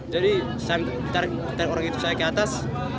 jadi saya tarik orang itu saya ke atas